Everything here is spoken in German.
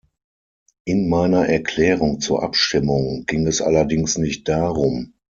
In meiner Erklärung zur Abstimmung ging es allerdings nicht darum.